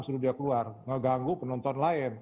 suruh dia keluar ngeganggu penonton lain